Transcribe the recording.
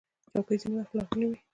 چوکۍ ځینې وخت لرغونې وي.